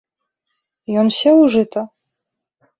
Ён сеў у жыта.